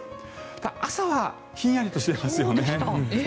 ただ、朝はひんやりとしていますよね。